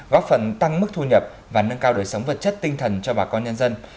góp phần tăng mức thu nhập và nâng cao đời sống vật chất tinh thần cho bà con nhân dân